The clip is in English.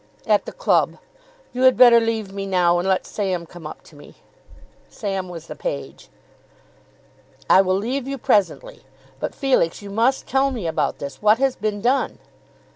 "At the club. You had better leave me now, and let Sam come up to me." Sam was the page. "I will leave you presently; but, Felix, you must tell me about this. What has been done?"